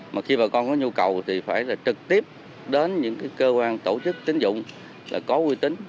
mà khi bà con có nhu cầu thì phải là trực tiếp đến những cái cơ quan tổ chức tín dụng là có uy tín